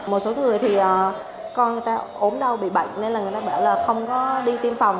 một số người thì con người ta ốm đau bị bệnh nên là người ta bảo là không có đi tiêm phòng